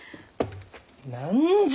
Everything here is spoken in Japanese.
何じゃ！？